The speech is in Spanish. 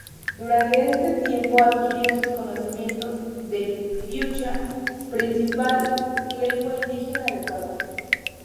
Durante este tiempo adquirió sus conocimientos de quichua, principal lengua indígena de Ecuador.